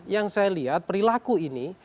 yang saya lihat perilaku ini